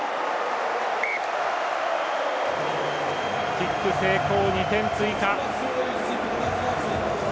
キック成功、２点追加。